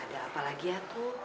ada apa lagi aku